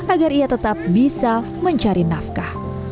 agar ia tetap bisa mencari nafkah